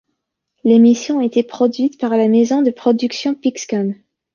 L'émission était produite par la maison de production Pixcom.